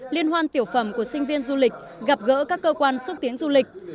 liên hoan tiểu phẩm của sinh viên du lịch gặp gỡ các cơ quan xúc tiến du lịch